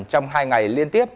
trong hai ngày liên tiếp